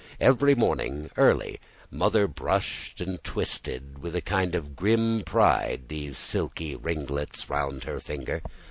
Every morning early, Mother brushed and twisted, with a kind of grim pride, these silky ringlets round her finger.